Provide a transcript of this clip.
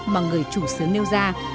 mà người chủ sướng nêu ra